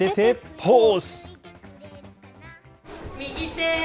ポーズ。